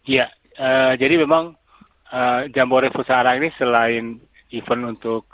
ya jadi memang jamboree futsal arang ini selain event untuk anak anak